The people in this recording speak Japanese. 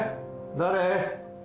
誰？